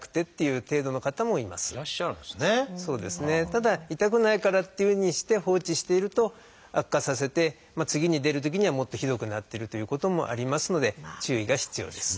ただ痛くないからっていうふうにして放置していると悪化させて次に出るときにはもっとひどくなってるということもありますので注意が必要です。